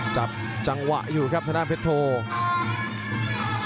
จับจังหวะอยู่ครับธนาปัจสิทธิ์เทิดเทพโท